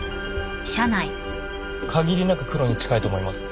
限りなくクロに近いと思います。